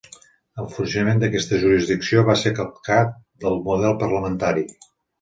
El funcionament d'aquesta jurisdicció va ser calcat del model parlamentari.